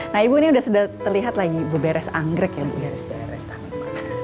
nah ibu ini sudah terlihat lagi berberes anggrek ya ibu